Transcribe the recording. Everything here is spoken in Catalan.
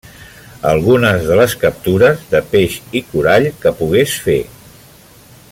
Algunes de les captures de peix i corall que pogués fer.